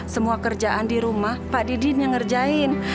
semua kerjaan di rumah pak didin yang ngerjain